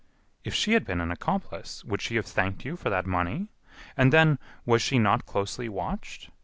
"If she had been an accomplice, would she have thanked you for that money? And then, was she not closely watched?